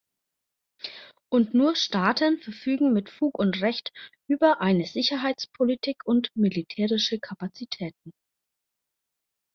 Und nur Staaten verfügen mit Fug und Recht über eine Sicherheitspolitik und militärische Kapazitäten.